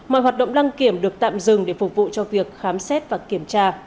mọi hoạt động đăng kiểm được tạm dừng để phục vụ cho việc khám xét và kiểm tra